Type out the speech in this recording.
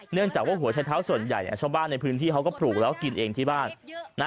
เนื่องจากว่าหัวชายเท้าส่วนใหญ่ชาวบ้านในพื้นที่เขาก็ปลูกแล้วกินเองที่บ้านนะ